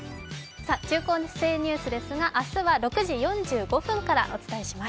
中高生ニュースですが、明日は６時４５分からお伝えします。